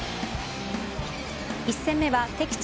１戦目は敵地